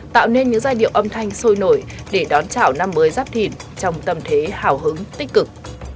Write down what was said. tạo nên những giai điệu âm thanh sôi nổi để đón chào năm mới giáp thỉn trong tâm thế hào hứng tích cực